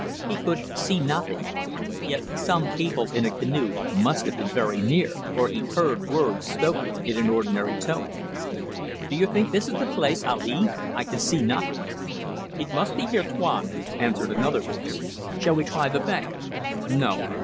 He could see nothing, yet some people in a canoe must have been very near, for he heard words spoken in an ordinary tone. "Do you think this is the place, Ali? I can see nothing." "It must be near here, Tuan," answered another voice. "Shall we try the bank?" "No!